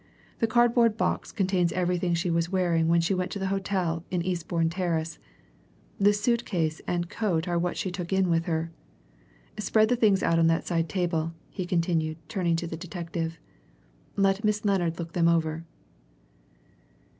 "The cardboard box contains everything she was wearing when she went to the hotel in Eastbourne Terrace; the suit case and coat are what she took in with her. Spread the things out on that side table," he continued, turning to the detective. "Let Miss Lennard look them over."